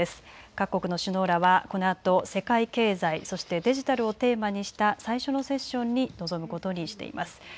各国の首脳らはこのあと世界経済、そしてデジタルをテーマにした最初のセッションに臨むことにしています。